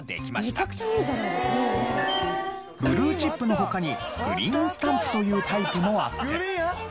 ブルーチップの他にグリーンスタンプというタイプもあって。